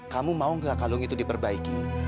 kamu mau nggak kalung itu diperbaiki